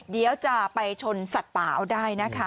เดี๋ยวจะไปชนสัตว์ป่าเอาได้นะคะ